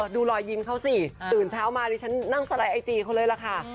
ดูรอยยิ้มเขาสิตื่นเช้ามาดิฉันนั่งสไลด์ไอจีเขาเลยล่ะค่ะ